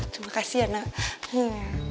terima kasih ya anak